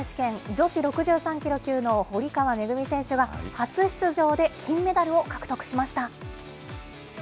女子６３キロ級の堀川恵選手が、初出場で金メダルを獲得しました。